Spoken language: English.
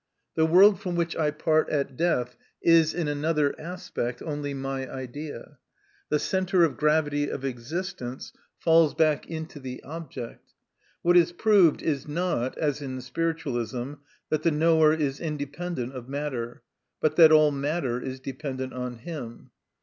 The world from which I part at death is, in another aspect, only my idea. The centre of gravity of existence falls back into the subject. What is proved is not, as in spiritualism, that the knower is independent of matter, but that all matter is dependent on him.